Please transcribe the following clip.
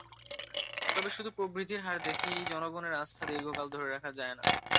তবে শুধু প্রবৃদ্ধির হার দেখিয়েই জনগণের আস্থা দীর্ঘকাল ধরে রাখা যায় না।